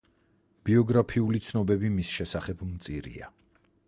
ბიოგრაფიული ცნობები მის შესახებ მწირია.